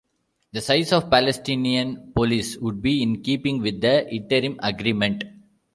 The size of Palestinian police would be in keeping with the Interim Agreement.